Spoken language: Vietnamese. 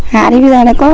hạ thì như thế nào